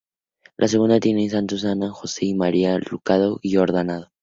La segunda tiene un "Santos Ana, Jose y María" de Luca Giordano.